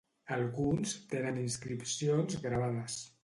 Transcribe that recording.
Alguns tenen inscripcions gravades.